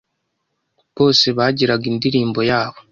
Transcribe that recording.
bose bagiraga indirimbo yabo